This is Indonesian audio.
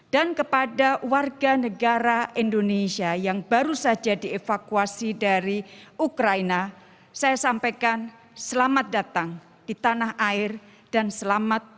dan kepada warga negara indonesia yang baru saja dievakuasi dari ukraina saya sampaikan selamat datang di tanah air dan selamat datang di dunia